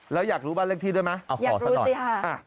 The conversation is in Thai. แล้วอยากรู้บ้านเลขที่ด้วยไหมอยากดูสิค่ะ